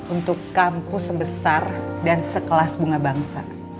untuk kampus sebesar dan sekelas bunga bangsa